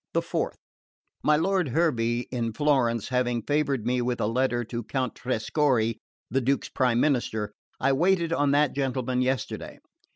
The 4th. My lord Hervey, in Florence, having favoured me with a letter to Count Trescorre, the Duke's prime minister, I waited on that gentleman yesterday.